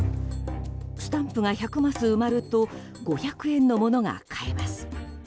スタンプが１００マス埋まると５００円の物が買えます。